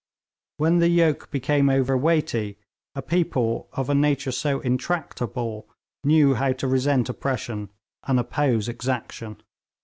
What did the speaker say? When the yoke became over weighty, a people of a nature so intractable knew how to resent oppression and oppose exaction.